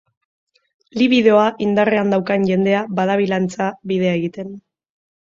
Libidoa indarrean daukan jendea badabil antza bidea egiten.